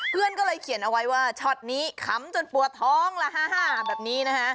เพื่อนก็เลยเขียนเอาไว้ว่าช็อตนี้ขำจนปวดท้องละ๕๕แบบนี้นะฮะ